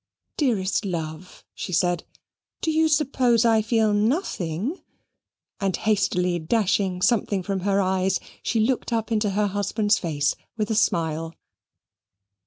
"Dearest love," she said, "do you suppose I feel nothing?" and hastily dashing something from her eyes, she looked up in her husband's face with a smile.